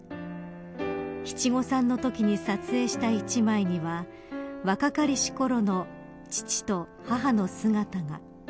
七五三のときに撮影した一枚には若かりしころの父と母の姿が。